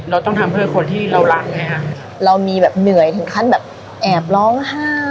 เราต้องทำเพื่อคนที่เรารักไงฮะเรามีแบบเหนื่อยถึงขั้นแบบแอบร้องไห้